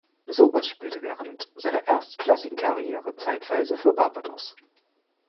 Sobers spielte während seiner erstklassigen Karriere zeitweise für Barbados.